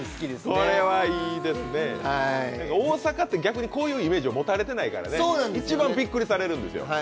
大阪って逆にこういうイメージを持たれてないから一番びっくりされるんですよ。